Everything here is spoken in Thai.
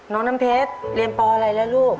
น้องน้ำเพชรเรียนปอะไรแล้วลูก